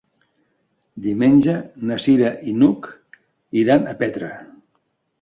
Diumenge na Cira i n'Hug iran a Petra.